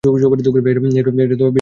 এটা বেসে থাকতে ঘটেছে।